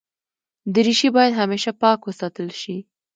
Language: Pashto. دریشي باید همېشه پاک وساتل شي.